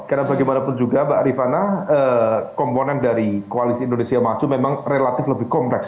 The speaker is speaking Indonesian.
karena bagaimanapun juga mbak arifana komponen dari koalisi indonesia maju memang relatif lebih kompleks